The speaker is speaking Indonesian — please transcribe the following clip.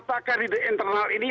apakah di internal ini